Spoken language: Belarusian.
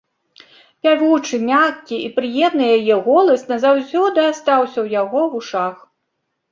Пявучы, мяккі і прыемны яе голас назаўсёды астаўся ў яго вушах.